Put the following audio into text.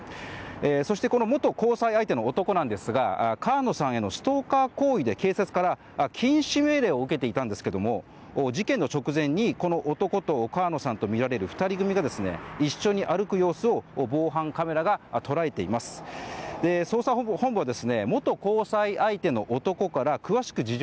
そして元交際相手の男なんですが川野さんへのストーカー行為で警察から禁止命令を受けていたんですけど事件の直前にこの男と川野さんとみられる２人組が、一緒に歩く様子を防犯カメラが捉えています。